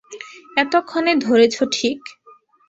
এতক্ষণে ধরেছ ঠিক।